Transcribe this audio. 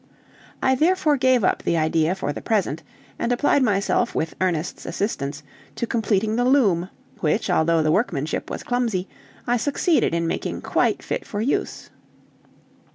I therefore gave up the idea for the present, and applied myself, with Ernest's assistance, to completing the loom, which, although the workmanship was clumsy, I succeeded in making quite fit for use.